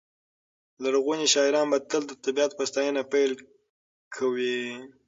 لرغوني شاعران به تل د طبیعت په ستاینه پیل کاوه.